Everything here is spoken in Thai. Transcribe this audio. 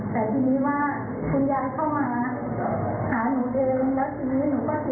แต่ทีนี้ว่าคุณยายเข้ามาหาหนูเองแล้วทีนี้หนูก็เสียใจค่ะหนูขอโทษด้วย